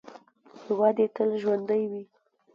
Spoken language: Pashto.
هیواد دې تل ژوندی وي.